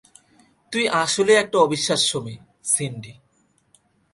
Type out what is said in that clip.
তুই আসলেই একটা অবিশ্বাস্য মেয়ে, সিন্ডি।